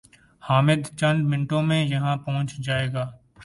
حامد چند منٹوں میں یہاں پہنچ جائے گا